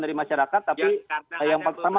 dari masyarakat tapi yang pertama